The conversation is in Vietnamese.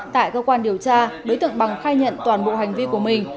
tại cơ quan điều tra đối tượng bằng khai nhận toàn bộ hành vi của mình